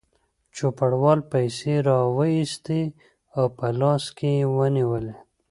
چوپړوال پیسې راوایستې او په لاس کې یې ونیولې.